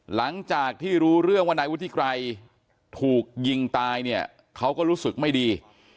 หลังจากที่รู้เรื่องว่านายวุฒิไกรถูกยิงตายเนี่ยเขาก็รู้สึกไม่ดี